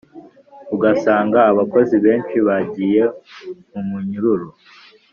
ugasanga abakozi benshi bagiye mu munyururu.